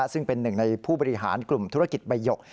ซึ่งเป็นหนึ่งในผู้บริหารกลุ่มธุรกิจใบหยก